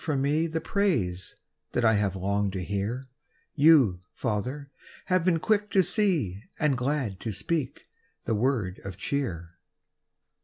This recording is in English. from me The praise that I have longed to hear, Y>u, Father, have been quick to see Ar^d glad to speak the word of cheer.